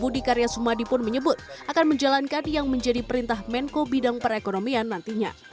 budi karya sumadi pun menyebut akan menjalankan yang menjadi perintah menko bidang perekonomian nantinya